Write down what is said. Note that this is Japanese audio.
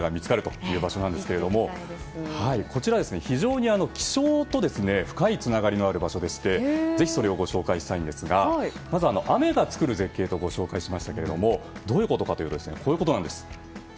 こちら、非常に気象と深いつながりのある場所でしてぜひそれをご紹介したいんですが雨が作る絶景とご紹介しましたがどういうことかというとこういうことなんです。